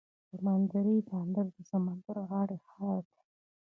سمندري بندر د سمندر غاړې ښار دی.